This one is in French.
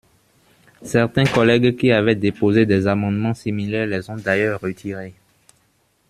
Certains collègues qui avaient déposé des amendements similaires les ont d’ailleurs retirés.